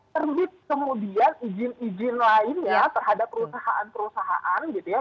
terbit kemudian izin izin lainnya terhadap perusahaan perusahaan gitu ya